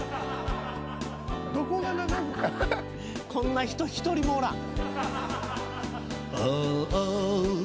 こんな人１人もおらん。